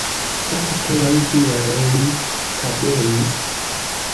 Fakte, laŭdire, li kabeis.